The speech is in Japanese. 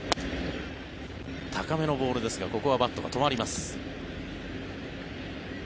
高めのボールですがここはバットが止まります。